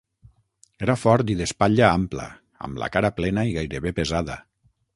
Era fort i d'espatlla ampla, amb la cara plena i gairebé pesada.